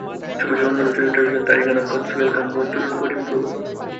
ছবিটির অন্যান্য চরিত্রে রয়েছেন তারিক আনাম খান, সোহেল খান, মঞ্জুরুল করিম প্রমুখ।